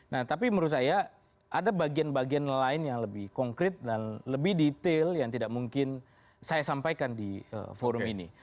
nah tapi menurut saya ada bagian bagian lain yang lebih konkret dan lebih detail yang tidak mungkin saya sampaikan di forum ini